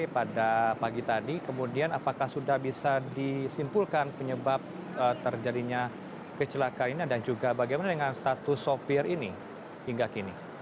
pada pagi tadi kemudian apakah sudah bisa disimpulkan penyebab terjadinya kecelakaan ini dan juga bagaimana dengan status sopir ini hingga kini